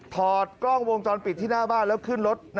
ถอดกล้องวงจรปิดที่หน้าบ้านแล้วขึ้นรถ